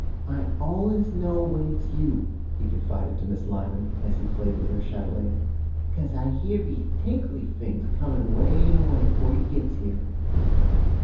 'I al'us know when it's you,' he confided to Miss Lyman, as he played with her chatelaine, ''cause I hear vese tinkly fings coming way and away, 'fore you gits here.'